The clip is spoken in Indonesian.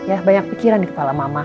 ya banyak pikiran di kepala mama